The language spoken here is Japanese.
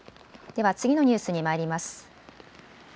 では次のニュースにまいります。